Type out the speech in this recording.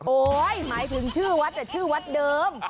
หมายถึงชื่อวัดแต่ชื่อวัดเดิม